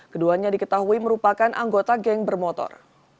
keduanya diketahui merupakan anggota geng bermotor